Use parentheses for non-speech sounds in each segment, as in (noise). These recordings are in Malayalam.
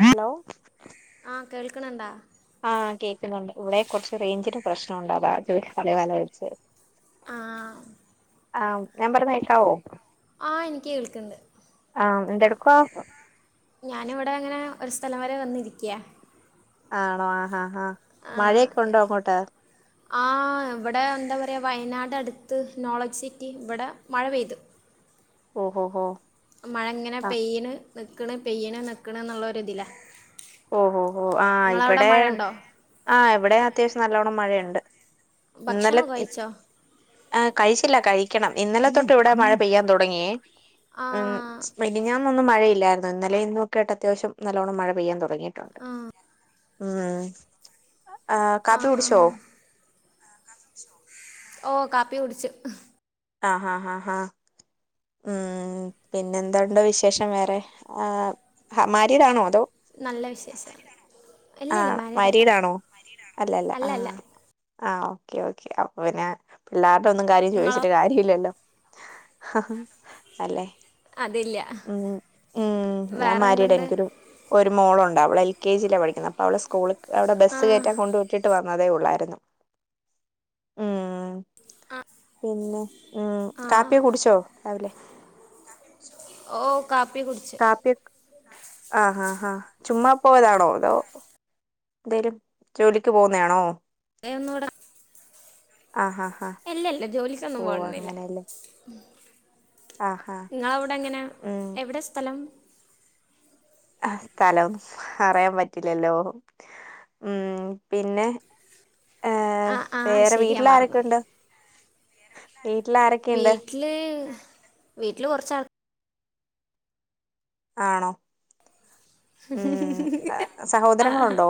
ഹലോ ആഹ് കേൾക്കണണ്ടാ ആഹ കേൾക്കുന്നുണ്ട് ഇവിടെ കൊറച്ച് റേഞ്ചിന് പ്രശ്നം ഉണ്ട് അതാലാല ആ ആഹ് ഞാൻ പറയുന്നകേക്കാവൂ ആ എനിക്ക് കേൾക്കണ്ട് ആഹ എന്തടുക്കുവാ ഞാനിവിടെ അങ്ങനെ ഒരു സ്ഥലം വരെ വന്നിരിക്ക്യ ആണോ ആഹാഹ മഴയൊക്ക ഉണ്ടോ അങ്ങോട്ട് ഇടെ വയനാട് അടുത്ത് നോളജ് സിറ്റി ഇവിടെ മഴ പെയ്തു ഓഹോഹോ മഴ ഇങ്ങനെ പെയ്യന് നിക്കണ് പെയ്യന് നിക്കണ് എന്നുള്ളരിത്തിലാണ് ഓഹ് ഓഹ് ആഹ് ഇവിടെ ഉണ്ടോ ആഹ് ഇവിടെ അത്യാവശ്യം നല്ലോണ്ണം മഴയുണ്ട് ഭക്ഷണം ഇന്നലെ ഒക്കെ കഴിച്ചോ ആഹ് കഴിച്ചില്ല കഴിക്കണം ഇന്നലെ തൊട്ട് ഇവിടെ മഴ പെയ്യാൻ തുടങ്ങിയേ ഉം ആഹ് മിനിഞ്ഞന്നൊന്നും മഴയില്ലായിരുന്നു, ഇന്നലെയും ഇന്നുയൊക്കെയായിട്ട് അത്യാവശ്യം നല്ലവണ്ണം മഴ പെയ്യാൻ തുടങ്ങ ങ്ങിട്ടുണ്ട് ഉം ആഹ് കാപ്പി കുടിച്ചോ ഓഹ് കാപ്പി കുടിച് ആഹ് ഉം പിന്നെ എന്തണ്ടോ വിശേഷം വേറെ ആഹ് നല്ല വിശേഷം ഇല്ല ഇല്ല ആഹ് മാരീഡല്ല മാരിടാണോ അല്ലല്ല അല്ല അല്ല ആഹ് ആഹ് ഓക്കേ ഓക്കേ അപ്പൊ പിന്നെ പിള്ളേരുടെ ഒന്നും കാര്യം നിങ്ങളോ ചോദിച്ചിട്ട് കാര്യ ഇല്ലല്ലോ അല്ലെ അതില്ല ഉം ഉം ഞാൻ മാരീഡാ വേറെന്തുണ്ട് എനിക്കൊരു ഒരു മോളുണ്ട് അവൾ എൽ കെ ജിയിലാ പഠിക്കുന്നത് അപ്പോ അവള സ്കൂളിക്ക് അവിടെ ബസ് ആഹ് കയറ്റാ കൊണ്ട് വിട്ടിട്ട് വ ന്നതേയുള്ളായിരുന്നു ഉം പിന്നെ ഉം ആഹ് കാപ്പിയൊക്കെ കുടിച്ചോ രാവിലെ ഓ കാപ്പി കുടിച്ച് കാപ്പി ആഹ് ആഹ് ചുമ്മാ പോയതാണോ അതോ എന്തേലും ജോലിക്ക് പോകുന്നതാണോ? ഏഹ് ഒന്നൂടെ ആ ഹാ ഹാ ഇല്ല ഇല്ല ജോലിക്കൊന്നും ഓ പോനൊന്നില്ല അങ്ങനെയല്ലേ ആഹാ നിങ്ങളവിടെ എങ്ങനാ ഉം എവിടെ സ്ഥലം ആഹ് സ്ഥലം പറയാൻ പറ്റില്ലല്ലോ ഉം പിന്നെ ഏഹ് ആഹ് ആഹ് വേറെ ശരിയാ വീട്ടില ആരൊക്കെ മറന്നുപോയി ഉണ്ട് വീട്ടില് വീട്ടില് കോർച്ചാൾ ആണോ ഉം ആ, ആഹ് സഹോദരങ്ങളുണ്ടോ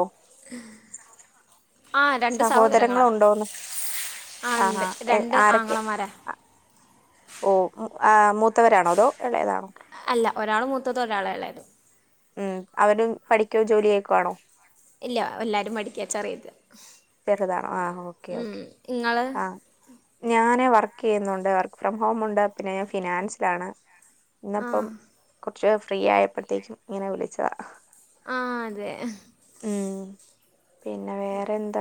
ആഹ് രണ്ട് സഹോദരങ്ങളാ സഹോദരങ്ങളുണ്ടോന്ന് ആഹ് ഇണ്ട് ആഹാ രണ്ട് ആംഗളമാരാ ഓഹ് ആഹ് മൂത്തവരാണോ അതോ ഇളയതാണോ അല്ല ഒരാൾ മൂത്തത് ഒരാള് എളയത് ഉം അവര പഠിക്കോ ജോലി ചെയ്യൊക്കെ ആണോ ഇല്ല എല്ലാവരും പഠിക്കാച്ചറിയല്ല ചെറുതാണോ ആഹ് ഓക്കേ ഓക്കെ ഇങ്ങള് ആഹ് ഞാന വർക്ക്‌ ചെയ്യുന്നുണ്ട് വർക്ക്‌ ഫ്രം ഹോം ഉണ്ട് പിന്നെ ഫിനാൻസ്ഡ് ആണ് ഇന്നിപ്പം ആഹ് കുറച്ച് ഫ്രീ ആയപ്പോഴത്തേക്കും ഇങ്ങനെ വിളിച്ചതാ ആഹ് അതെ. ഉം പിന്നെ വേ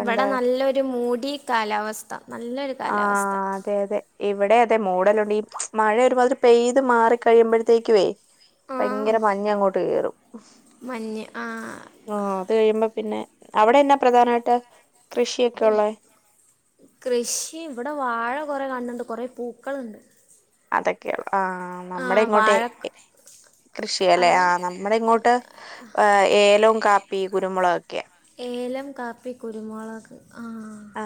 വടെ നല്ലൊരു മൂടി കാലാവസ്ഥ നല്ലൊരു ആ കാലാവസ്ഥ അതെ അതെ ഇവടെ അതെ മൂടലുണ്ട് ഈ മഴ ഒര്മാതിരി പെയ്ത് മാറി കഴിയ്മ്പഴത്തേക്കുവേ ഭയങ്കര ആഹ് മഞ്ഞങ്ങോട്ട് കേറും മഞ്ഞ് ആ ആ അത് കഴിയ്മ്പോ പിന്നെ അവ്ടെന്നാ പ്രധാനമായിട്ട് കൃഷിയൊക്കെ ഉള്ളേ (unintelligible) കൃഷിം ഇവ്ടെ വാഴ കൊറേ കാൺണ് ണ്ട് കൊറേ പൂക്കള്ണ്ട് അതൊക്കെയാള്ളെ ആ നമ്മ്ടെ ഇങ്ങോട്ടേ വാഴ കൃഷിയല്ലെ അവിടെ ആ നമ്മ്ടെ ഇങ്ങോട്ട് ഏ ഏലവും കാപ്പി കുര്മുളകൊക്കെയാ ഏലം കാപ്പി കുരുമൊളക് ആ ആ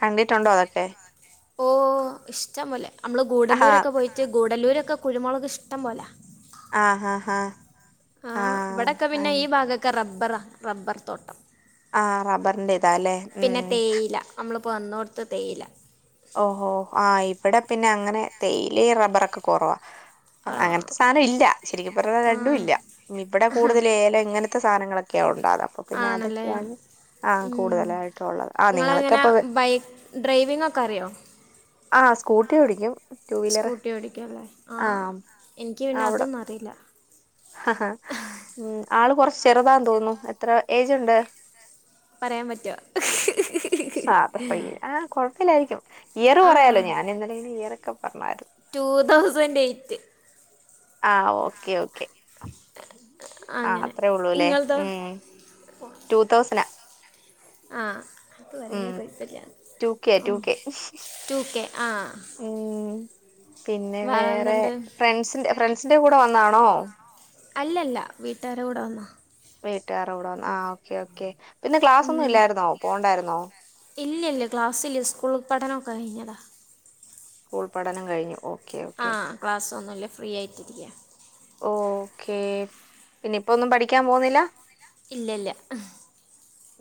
കണ്ടിട്ടുണ്ടോ അതൊക്കെ? ഓ ഇഷ്ടം പോലെ അമ്മള് ആ ഗൂഡല്ലൂരൊക്കെ പോയ്ട്ട് ഗുഡല്ലൂരൊക്കെ കുര്മൊളക് ഇഷ്ടം പോലാ ആ ആ ആ ആ വ്ടെക്കെ ആ പിന്നെ ഈ ഭാഗൊക്കെ റബ്ബറാ റബ്ബർ തോട്ടം ആ റബ്ബർന്റേതാല്ലേ ഉം പ്പൊ അന്നോട്ത്ത് തേയിലാ വ്ടെ പിന്നെ അങ്ങനെ തേയിലെയും റബ്ബറൊക്കെ കൊറവാ ആ അങ്ങനത്തെ സാനം ഇല്ല ശരിക്കും പറഞ്ഞ രണ്ടും ഇല്ല ഇവ്ടെ ആ കൂട്തല് ഏല ഇങ്ങനത്തെ സാധനങ്ങളൊ ക്ക അപ്പ പിന്നെ ആണല്ലേ അതൊക്കെയാണ് ആ ഉം. കൂട്തലായിട്ടും ഉള്ളത് ആ നിങ്ങളൊക്കെ നിങ്ങളെങ്ങനെ അപ്പൊ ബൈക്ക് ഡ്രൈവിംഗ് ഒക്കെ അറിയോ ആ സ്കൂട്ടി ഓടിക്കും വീലർ സ്കൂട്ടി ഓടിക്കൂല്ലേ ആ ആഹ് എനിക്ക് പിന്നെ അതൊന്നും അറീലാ ഹ ഹാ ഉം ആള് കൊറച്ച് ചെർതാന്ന് തോന്ന്ന്നു എത്ര ഏജ്ണ്ട് പറയാൻ പറ്റോ സാധാ റീ ആ കൊഴപ്പില്ലായ്രിക്കും ഇയറ് ആ പറയാലോ ഞാൻ ഇന്നലേല് ഇയറൊക്കെ പറഞ്ഞായ്ര് റ്റൂ തൗസന്റെയ്റ്റ് ആ ഓക്കെ ഓക്കെ ആ അങ്ങനെ അത്രേ ഒള്ളൂല്ലേ നിങ്ങളതോ ഉം റ്റൂ തൗസനാ ആ അപ്പ പറയ്ണേ കൊയ്പ്പല്ല ടു കെ ആ ടു കെ റ്റൂ കേ ആ ഉം പിന്നെ വേറെ ഫ്രണ്ട്സ് ഫ്രണ്ട്സിന്റെ കൂടെ വന്നാണോ? അല്ലല്ല വീട്ടാരെ കൂടെ വന്നാ വീട്ട്കാറെ കൂടെ വന്നാ ആ ഓക്കേ ഓക്കേ പിന്നെ ക്ലാസാെന്നും ഇല്ലായ്ര്ന്നോ പോണ്ടായ്ര്ന്നോ? ഇല്ല്യല്ല ക്ലാസ്സ്ല്ല സ്കൂൾ പഠനം കയ്ഞ്ഞതാ സ്കൂൾ പഠനം കയ്ഞ്ഞു ഓ ആ ക്ലാസ്സാെന്നുംല്ല ഫ്രീ ആയിട്ടിരിക്കാ ഓ ക്കേ പിന്നെ ഇപ്പൊന്നും പഠിക്കാൻ പോന്നില്ലാ? ഇല്ലല്ല്യ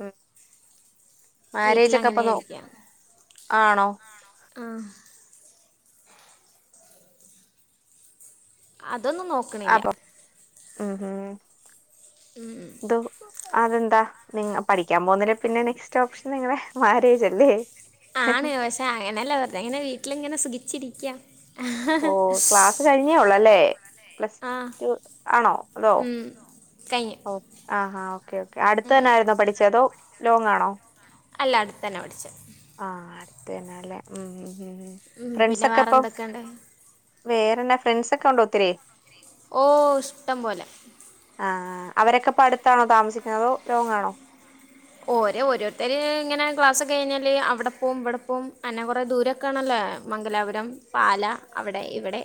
ഉം മാരേജെക്കെ അപ്പൊ വീട്ടിലങ്ങനെ നോ ആണോ ആ അതൊന്നും നോക്ക്ണില്ല അപ്പം ഉം ഊം ഉം അതെന്താ നിങ്ങ പഠിക്കാൻ പോക്ന്നില്ലെ പിന്നെ നെക്സ്റ്റ് ഓപ്ഷൻ നിങ്ങളെ മാരേജ് അല്ലേ ആണ് പഷേ അങ്ങനെല്ല വെർതെങ്ങനെ വീട്ട്ല്ങ്ങനെ സുഖിച്ചിരിക്ക്യാ ഓ ക്ലാസ്സ് കഴിഞ്ഞേ ഒള്ളു അല്ലേ പ്ലസ് ആ ടു ആണോ, തോ ഉം. കഴിഞ്ഞു ഓ ആ ഹാ ഓക്കേ ഓക്കേ അട്ത്തന്നെ ആയിര്ന്നോ പഠിച്ചേ അതോ ലോങ്ങാണോ അല്ല അടുത്തന്നെ, പഠിച്ചെ നല്ലേ, ഉം ഉം ഉം ഉം ഫ്രണ്ട്സ്സ് പിന്നെ ഒക്കെ വേറെ അപ്പൊ എന്തൊക്കെയുണ്ട് വേറെന്നാ, ഫ്രണ്ട്സൊക്കെ ഉണ്ടോ ഒത്തിരീ? ഓ, ഇഷ്ടം പോലെ ആ, അവരൊക്കെ ഇപ്പ അടുത്താണോ താമസിക്കുന്നേ, അതോ ലോങ്ങാണോ? ഓര ഓരോരുത്തര് ഇങ്ങനെ ക്ലസ്സൊക്കെ കഴിഞ്ഞാല്, അവടെ പോവും ഇവടെ പോവും അന്നെ കൊറെ ദൂരൊക്കെ ആണല്ലോ. ഏഹ് മംഗലാപുരം, പാല, അവിടെ ഇവിടെ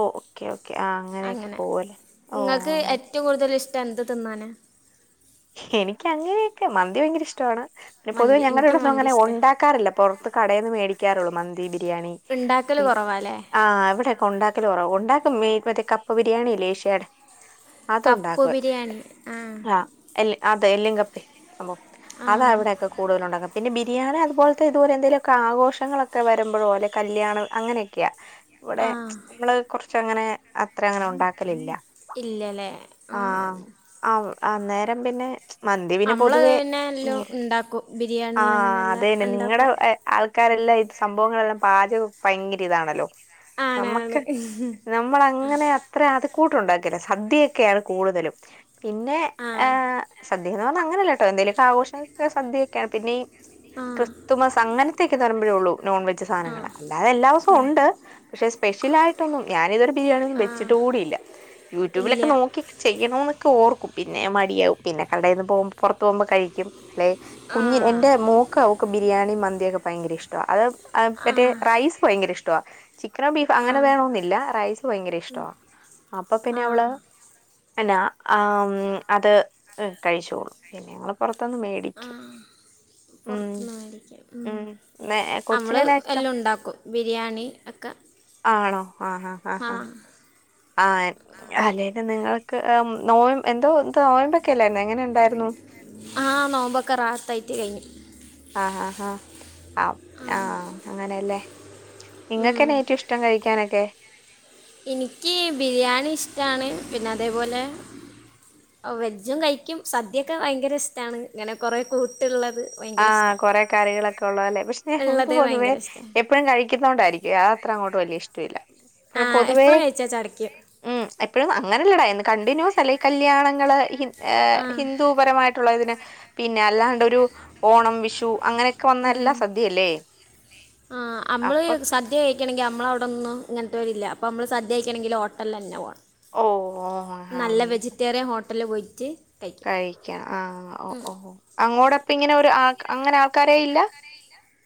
ഓ ഓക്കെ ഓക്കെ ആഹ് അങ്ങനെയൊക്കെ അങ്ങനെ പോവല്ലേ ഇങ്ങക്ക് ഓഹ് ഏറ്റവും കൂടുതല് ഇഷ് എന്ത് തിന്നാനാ? എനിക്ക് അങ്ങനെയൊക്കെ, മന്തി വയങ്കര ഇഷ്ടവാണ്. പിന്നെ, പൊതുവെ മന്തി ഞങ്ങടെ എനിക്ക് ഇവിടൊന്നും മന്തി അങ്ങനെ ഇഷ്ടമാണ് ഒണ്ടാക്കാറില്ല, പൊറത്ത് കടേന്ന് മേടിക്കാറുള്ളു മന്തി, ബി ബിരിയാണി ഉണ്ടാക്കൽ പിൻ, കുറവാല്ലേ ആ ഇവിടൊക്കെ ഉണ്ടാക്കല് കൊറവാ ഉൺ ഉണ്ടാക്കും, മി മറ്റേ കപ്പ ബിരിയാണില്ലേ ഇഷേടെ കപ്പ് ബിരിയാണി ആഹ് എല്ല് അതെ എല്ലി കപ്പേ സംഭവം ആ അതാ ഇവെടെയൊക്കെ കൂടുതല് ഉണ്ടാക്കുൻ പിന്നെ ബി ബിരിയാണി അതുപോലത്തെ ഏതോ എന്തേലൊക്കെ ആഘോഷങ്ങളൊക്കെ വരുമ്പഴോ അല്ലേ കല്യാണ അ ഇവടെ ആ ഞങ്ങൾ കൊറച്ചങ്ങനെ അത്ര അങ്ങനെ ഉണ്ടാക്കലില്ല. ഇല്ലലേ ആഹ് ആഹ് അന്നേരം പിന്നെ മന്തി പിന്നെ പൊതുവേ പിന്നെ എല്ലാം മേടിക്കും ഉണ്ടാക്കും ബിരിയാണി അങ്ങനെയെല്ലാം ആതെന്നെ നിങ്ങടെ ഉണ്ടാക്കും ഏഹ് ആൾ ആക്കാരെല്ലാം ഇത് സംഭവങ്ങളെല്ലാം പാചകം പയങ്കര ഇതാണല്ലോ. ആണ് നമക്ക് ആണ് നമ്മൾ അങ്ങനെ അത്ര അത് കൂട്ടുണ്ടാക്കില്ല സദ്യൊക്കെയാണ് കൂടുതലും പിന്നെ ആ ഏഹ് സദ്യാന്ന് പറഞ്ഞാ അങ്ങനെയല്ലട്ടോ എന്തേലൊക്കെ ആഘോഷങ്ങൾക്ക് സദ്യൊക്കെയാണ്, പിന്നെ ഈ ആ ക്രിസ്തുമസ്, അങ്ങൻത്തെയൊക്കെ ഇതാമ്പഴേ ഉള്ളൂ നോൺ വെജ് ആ സാനങ്ങള്, അല്ലാതെ എല്ലാ ഊസം ആ ഉണ്ട്, പഷെ സ്പെഷ്യലായിട്ടൊന്നും, ഞാാനിതുവരെ ബിരിയാണിയൊന്ന് ആ വെച്ചിട്ട് കൂടിയില്ല, ഇല്ല യൂട്യൂബിലൊക്കെ നോക്കി ചെയ്യണൊന്നൊക്കെ ഓർക്കും, പി പിന്നെ മടിയാവും, പിന്നെ കടെന്ന് പോം പൊറത്ത് പോവുമ്പോ കഴിക്കും. ല്ലെ ആ കുഞ്ഞി എന്റെ മോക്ക് അവക്ക് ബിരിയാണി മന്തിയൊക്കെ പയങ്കര ഇഷ്ടാ അഹ് അഹ് ആ മറ്റേ റൈസ് ഭയങ്കര ഇഷ്ട്ടവാ ചിക്കനോ ബീഫോ ആ അങ്ങനെ വേണൊന്നില്ല, റൈസ് ഭയങ്കര ഇഷ്ടവാ, അപ്പൊ ആ പിന്നെ അവള് ആ അല്ല ആം അത് കഴിച്ചോളും പിന്നെ ഞങ്ങള് പൊറ ത്ത്ന്ന് വേടിക്കും പൊർത്ത്ന്ന് വേടിക്കും ഉം അമ്മള് കൊച്ചിനെന്നാ ഇഷ്ടം ആണോ ആഹ് ഹാ ഹാ ഹാ ആ അല്ലേലും നിങ്ങളൊക്കെ ഏഹ് നോയ് എന്തോ എന്ത് നൊയമ്പൊക്കെ ല്ലായിരുന്നൊ, എങ്ങനെ ഇണ്ടായിരുന്നു? ആ നോമ്പൊക്കെ (unintelligible) ആഹ് ആഹ് ആഹ് ആവ് ആഹ് അങ്ങനേ ല്ലേ. ഉം. നിങ്ങൾക്കെന്നാ ഏറ്റും ഇഷ്ടം കഴിക്കാനൊക്കെ? എനിക്കീ ബിരിയാണി ഇഷ്ടാണ് പിന്നെ അതേപോലെ അഹ് വെജും കഴിക്കും, സദ്യൊക്കെ ഭയങ്കര ഇസ്ട്ടാണ് ഇങ്ങനെ കൊറെേ കൂട്ടുള്ള ആഹ് കൊറെേ കറികളൊക്കെ ഉള്ളതല്ലേ, പഷെ ഇൻക്ക് ഉള്ളത് പൊതുവേ ഭയങ്കര ഇഷ്ടമാണ് എപ്പഴും കഴിക്കുന്നോണ്ടായിരിക്കുവേ അത് അത്ര അങ്ങോട്ട് വല്യ ഇഷ് ആ (unintelligible) പൊതുവേ എപ്പോഴും കഴിച്ചാൽ ചടയ്ക്കും ഉം എപ്പഴും അഹ് അങ്ങനല്ലെടാ കണ്ടിന്യൂസല്ല ഈ കല്യാണങ്ങള് ഏഹ് ആ ഹിന്ദൂ പരമായിട്ടുള്ള ഇതിന് പിന്നെ അല്ലാണ്ട് ഒരു ഓണം വിഷു അങ്ങനൊക്കെ വന്നാ എല്ലാം ഉം. സദ്യയല്ലേ. ആ അമ്മള് അപ്പൊ സദ്യ കഴിക്കണെങ്കി അമ്മളവടൊന്നും ഇങ്ങട്ട് വരില്യ അപ്പമ്മള് സദ്യായിക്കണെങ്കി ഹോട്ടല്ലന്നെ പോണം ഓ നല്ല മീൽ വെജിറ്റേറിയൻ ഹോട്ടല്ല് പോയിട്ട് കഴിക്കും കഴിക്യ ആ ഓ ഉം. ഓ അങ്ങോടപ്പങ്ങനെ ഒരു ആ അങ്ങനെ ആൾക്കാരേ ഇല്ല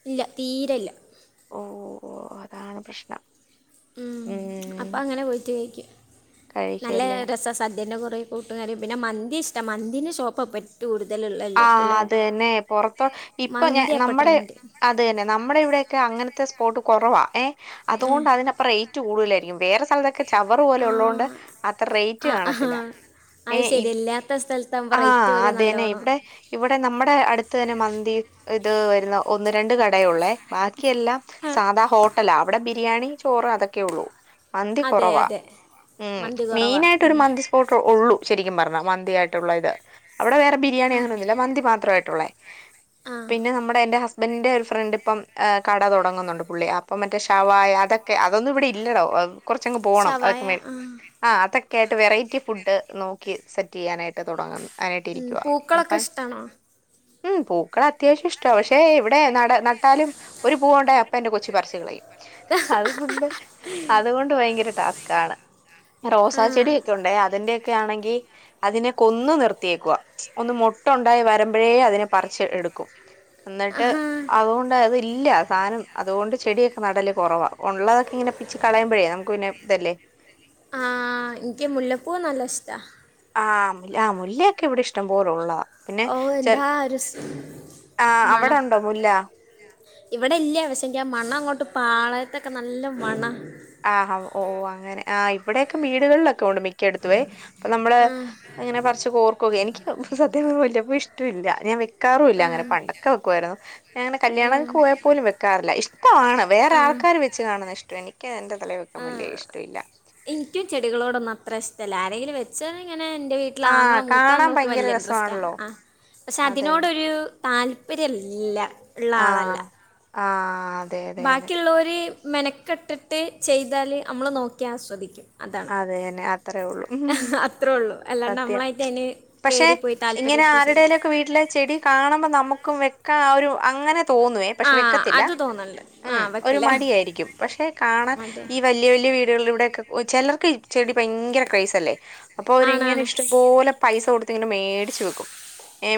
ഇല്ല തീരല്ല ഓ ഓ അതാണ് പ്രശ്നം ഉം അപ്പം അങ്ങനെ പോയിട്ട് കഴിക്കും നല്ല കഴിക്കല്ലേ രസാ സദ്യൻ്റെ കൊറേ കൂട്ട്കറിം പിന്നെ മന്തി ഇഷ്ടാ മന്തിൻ്റെ ഷോപ്പാ പറ്റെകൂട്തല് ആഹ് അതെന്നെ പൊറത്ത് ഇപ്പൊ ഞ മന്തി അപ്പം നമ്മുടെ ട്രെൻഡ് അതന്നെ നമ്മടെ ഇവിടൊക്കെ അങ്ങൻ ത്തെ സ്പോട്ട് കൊറവാ ഏ ആ അതോണ്ട് അതിനപ്പ റേറ്റ് കൂടുതലായിരിക്കും വേറെ സ്ഥലത്തൊക്കെ ചവറ് പോലെ ആ ഉള്ളോണ്ട് അത്ര റേറ്റ് ആ ആ കാണത്ത് അത് ശെരി ഇല്ലാത്ത സ്ഥലത്താമ്പോ റൈറ്റ് ആഹ് ഓല് അതന്നെ നല്ലോവണം ഇവിടെ ഇവിടെ നമ്മുടെ അടുത്ത് തന്നെ മന്തി ഇത് വരുന്ന ഒന്ന് രണ്ട് കടെയൊള്ളേ ബാക്കി എല്ലാം ആ, സാധാ ഹോട്ടലാ അവിടെ ബിരിയാണി ചോറ് അതൊക്കെയുള്ളു മന്തി അതെ കൊറവാ അതെ ഉം മന്തി കുറവാ മെയിനായിട്ട് ഒരു ഉം. മന്തി സ്പോട്ട് ഒള്ളു ശെരി ക്കിനും പർഞ്ഞാ മന്തി ആയിട്ടുള്ള ഇത്. അവിടെ വേറെ ബിരിയാണി ആ അങ്ങനൊന്നുല്ല മന്തി മാത്ര ആയിട്ടുള്ളേ ആ പിന്നെ നമ്മുടെ എൻ്റെ ഹസ് ബന്റെ ഒരു ഫ്രണ്ട് ഇപ്പം കട തൊടങ്ങുന്നുണ്ട് പുള്ളി അപ്പം മറ്റേ ഷവായ അതൊക്കെ അതൊന്നും ഇവിടെ ഇല്ലടോ കൊർച്ചങ്ങ് പോകണം ഷവായ അതേ മേടി ആ ആ അത ക്കേയിട്ട് വെറൈറ്റി ഫുഡ് നോക്കി സെറ്റ് ചെയ്യാനായിട്ട് തൊടങ്ങുന്ന് ഐനായ്ട്ട് ഉം, ഇരിക്കുവ പൂക്കളൊക്കെ ഇപ്പം ഇഷ്ടമാണോ ഉം പൂക്കളെ അത്യാവശ്യം ഇഷ്ട പക്ഷെ ഇവിടെ നട നട്ടാലും ഒരു പൂവുണ്ടായ അപ്പ എന്റെ കൊച്ചു പറച്ച്കളയും അതുകൊണ്ട് അതുകൊണ്ട് ഭയങ്കര ടാസ്കാണ് ആ റോസാ ചെടിയൊക്കെ ഉണ്ട് അതിന്റൊക്കെ ആണെങ്കി അതിനെ കൊന്ന് നിർത്തിയേക്കുവ ഒന്ന് മൊ ട്ടുണ്ടായി വരുമ്പോഴേ അതിനെ പറച്ച് എടുക്കും എന്നിട്ട് ആഹാ അതുകൊണ്ട് അത് ഇല്ല സാനം അതുകൊണ്ട് ചെടിയൊക്കെ നടല് കൊറവാ ഉള്ളതൊക്കെങ്ങനെ പിച്ച് കളയുമ്പഴേ നമുക്ക് പിന്നെ ഇതല്ലേ ആ ഇൻക്ക് മുല്ലപ്പൂ നല്ല ഇഷ്ടാ ആഹ് മു ആ മുല്ലയൊക്കെ ഇവിടെ ഇഷ്ടം പോലെ ഉള്ളതാ പിന്നെ ഓ ചെ എന്താ ഒരു സ് ആ മണം അവിടെണ്ടോ മുല്ല ഇവിടെ ഇല്യ പക്ഷേ എനിക്ക് ആ മണങ്ങോട്ട് പാളയത്തൊക്കെ നല്ല മണ ആഹ് ഓ അങ്ങനെ ആ ഇവിടൊക്കെ വീടുകളില് ക്കെണ്ട് മിക്ക എടുത്തുവേ അപ്പൊ നമ്മള് ആ, ഇങ്ങനെ പർച്ച് കോർക്കേ എനിക്ക് സത്യപർഞ്ഞാ മുല്ലപ്പൂ ഇഷ് പറ്റുല്ല ഞാൻ വെക്കാറുമില്ല ആ, അങ്ങനെ പണ്ടൊക്കെ വെക്കാറുല്ലങ്ങനെ പണ്ടൊക്കെ വെക്കുവായിരുന്നു ആ, പിന്നെങ്ങനെകല്യാണം പോയാ പോലും വെക്കാറില്ല ഇഷ്ടവാണ് വേറെ ആ ൾക്കാര് വെച്ച് കാണുന്നെ ഇഷ്ടനി ആ ഇൻക്കും ചെടികളോടൊന്നും അത്ര ഇഷ്ട്ടല്ല ആരെങ്കിലും വെച്ചാല് ങ്ങനെ എൻ്റെ വീട്ടില് ആ ആങ്ങള കാണാൻ മൂത്താങ്ങ ഇക്ക് ഭയങ്കര വല്യ ഇൻട്രസ്റ്റ് രസമാണല്ലോ ആ പക്ഷെ അതെ അതിനോടൊരു താല്പര്യല്ല ഇള്ള ആ ആളല്ല ആ അതെ അതെ അതെ ബാക്കിയുള്ളോര് മെനക്കെട്ടിട്ട് ചെയ്താല് നമ്മള് നോക്കി ആസ്വദിക്കും അതാണ് അത് തന്നെ അത്രേ ഉള്ളൂ ഉം അത്രേ ഒള്ളൂ അല്ലാണ്ട് സത്യം നമ്മളായിട്ട് ഐന് പക്ഷെ ഇങ്ങനെ ആരുടെലൊക്കെ വീട്ടിലെ ചെടി കാണുമ്പോ നമുക്കും വെക്ക ആ ഒരു അങ്ങനെ തോന്നുവേ ആ പക്ഷെ വെക്കത്തില്ല അത് തോന്നലുണ്ട് ആ ഉം ഒരു വെക്കില്ല മടിയായിരിക്കും പക്ഷെ കാണാൻ മറ്റേ ഈ വല്യ വല്യ വീ ട്കളിലൂടെ ചെലർക്ക് ചെടി ഭയങ്കര ക്രൈസ്സല്ലേ അപ്പോ അപ്പോര്ങ്ങനെ ആണാണ് ഇഷ്ടപോലെ പൈസ കൊട് ത്ത്ങ്ങനെ മേടിച്ചു വെക്കും.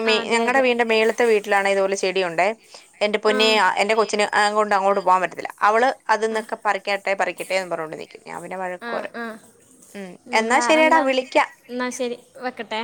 ആ അതെ ഞങ്ങടെ അതെ വീടിന്റെ മേള്ത്തെ വീട്ടിലാണെ ഇതുപോലെ ചെടിയ്ണ്ടേ എന്റെ ആ പൊന്നെ എന്റെ കൊച്ചിന് അ കൊണ്ട് അങ്ങോട്ട് പോകാൻ പറ്റത്തില്ല അവള് അത്ന്നൊക്കെ പറിക്കട്ടെ പറിക്കട്ടെ ന്ന് പറഞ്ഞോണ്ടിരിക്കും ഞാൻ പിന്നെ ആ വഴക്കൂപറിം ആ ഉം എന്നാ ശെരിയെടാ വിളിക്കാ എന്നാ ശെരി വെക്കട്ടെ